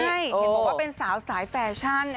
ใช่เห็นบอกว่าเป็นสาวสายแฟชั่น